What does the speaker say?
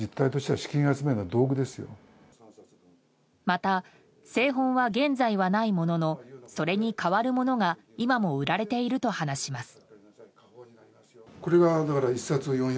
また、聖本は現在はないもののそれに代わるものが今も売られていると話します。